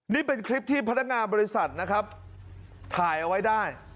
นี่เป็นคลิปที่พนักงานบริษัทนะครับถ่ายเอาไว้ได้